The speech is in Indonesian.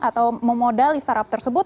atau memodali startup tersebut